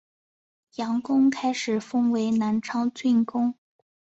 杨珙开始封为南昌郡公。